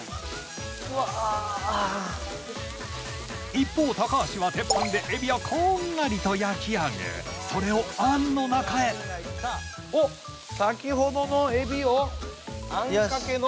一方橋は鉄板でエビをこんがりと焼き上げそれをあんの中へお先ほどのエビをあんかけの。